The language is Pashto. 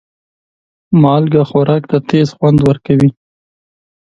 مالګه خوراک ته تیز خوند ورکوي.